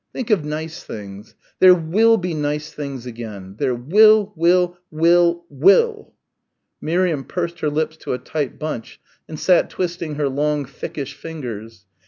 Think of nice things.... There will be nice things again ... there will, will, will, will." Miriam pursed her lips to a tight bunch and sat twisting her long thickish fingers.